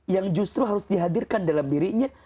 yang justru harus dihadirkan dalam dirinya